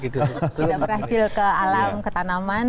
tidak berhasil ke alam ke tanaman